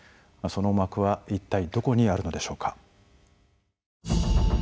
その思惑は一体どこにあるのでしょうか。